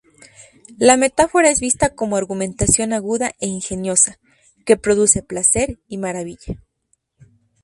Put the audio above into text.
La metáfora es vista como argumentación aguda e ingeniosa, que produce placer y maravilla.